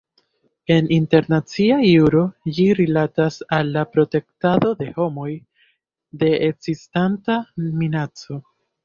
En internacia juro ĝi rilatas al la "protektado de homoj de ekzistanta minaco".